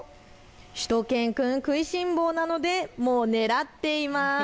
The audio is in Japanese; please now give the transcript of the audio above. しゅと犬くん食いしん坊なのでもう狙っています。